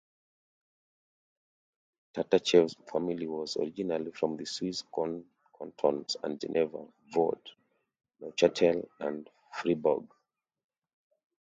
Tatartcheff's family was originally from the Swiss Cantons of Geneva, Vaud, Neuchatel and Fribourg.